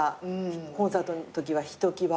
コンサートのときはひときわ。